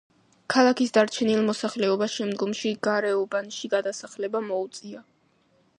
ქალაქის დარჩენილ მოსახლეობას შემდგომში გარეუბანში გადასახლდა მოუწია.